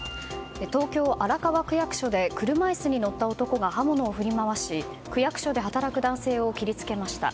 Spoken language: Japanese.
東京・荒川区役所で車椅子に乗った男が刃物を振り回し区役所で働く男性を切りつけました。